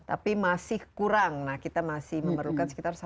tapi masih kurang kita masih memerlukan sekitar satu empat juta dolar